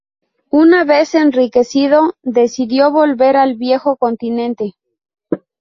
Una vez enriquecido decidió volver al "Viejo Continente".